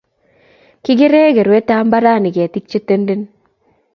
Kigere kerwet ab mbaranni ketik che tenden